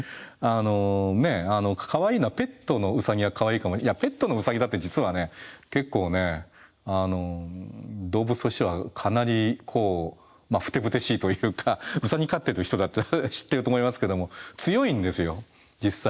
あのねえかわいいのはペットのウサギはかわいいかもいやペットのウサギだって実はね結構動物としてはかなりこうまあふてぶてしいというかウサギ飼ってる人だったら知ってると思いますけども強いんですよ実際。